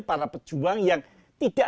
para pejuang yang tidak